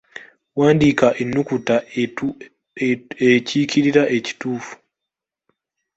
Wandiika ennukuta ekiikirira ekituufu.